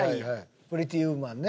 『プリティ・ウーマン』ね。